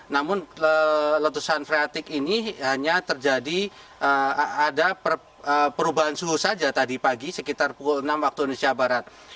namun letusan freatik ini hanya terjadi ada perubahan suhu saja tadi pagi sekitar pukul enam waktu indonesia barat